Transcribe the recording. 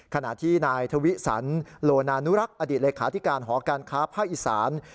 ขณะที่นายทวิสันโลนานุรักษ์อดีตเลขาธิการหอการค้าภาคอีสาน